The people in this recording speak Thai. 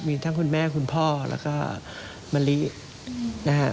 มีทั้งคุณแม่คุณพ่อแล้วก็มะลินะฮะ